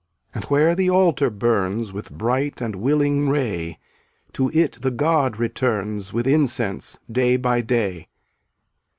And where the altar burns With bright and willing ray, To it the god returns With incense day by day.